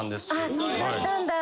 あっそうだったんだ。